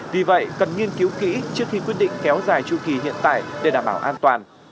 vì vậy cần nghiên cứu kỹ trước khi quyết định kéo dài tru kỳ hiện tại để đảm bảo an toàn